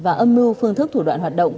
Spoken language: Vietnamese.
và âm mưu phương thức thủ đoạn hoạt động